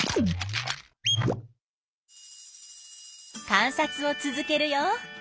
観察を続けるよ。